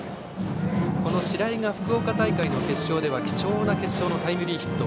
この白井が福岡大会の決勝では貴重な決勝タイムリーヒット。